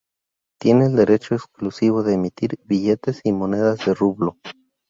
Tiene el derecho exclusivo de emitir billetes y monedas de rublo.